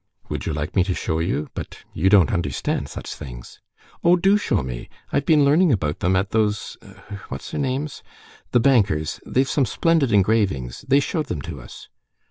"Would you like me to show you? But you don't understand such things." "Oh, do show me! I've been learning about them at those—what's their names?... the bankers ... they've some splendid engravings. They showed them to us."